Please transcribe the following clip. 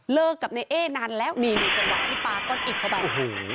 เลิกกับเนเอนานแล้วนี่ในจังหวะที่ปาก้นอิดเข้าไป